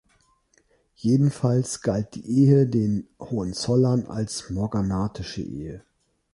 Jedenfalls galt die Ehe den Hohenzollern als morganatische Ehe.